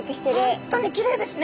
本当にきれいですね。